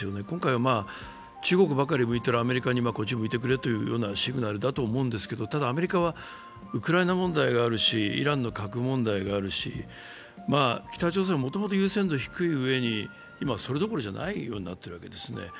今回は中国ばかり向いているアメリカにこちらを向いてくれというシグナルだと思うんですけれども、ただアメリカはウクライナ問題があるし、イランの核問題があるし北朝鮮はもともと優先度が低いうえに、今はそれどころじゃないようになってるんですね。